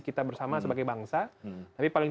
kita bersama sebagai bangsa tapi paling